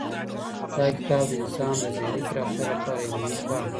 دا کتاب د انسان د ذهني پراختیا لپاره یو مهم ګام دی.